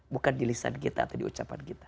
bukan di lisan kita atau di ucapan kita